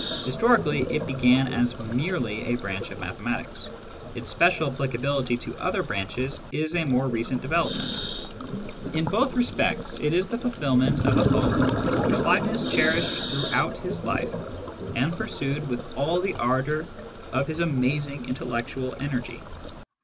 Historically, it began as merely a branch of mathematics : its special applicability to other branches is a more recent development. In both respects, it is the fulfilment of a hope which Leibniz cherished throughout his life, and pursued with all the ardour of his amazing intellectual energy.